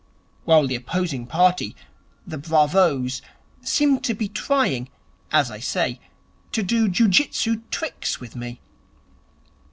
while the opposing party, the bravoes, seemed to be trying, as I say, to do jiu jitsu tricks with me.